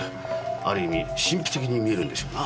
ある意味神秘的に見えるんでしょうなぁ。